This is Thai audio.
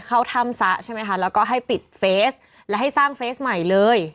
เข้าถ้ำซะใช่ไหมคะแล้วก็ให้ปิดเฟสและให้สร้างเฟสใหม่เลย